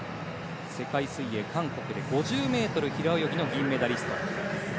世界水泳韓国で５０ｍ平泳ぎの銀メダリスト。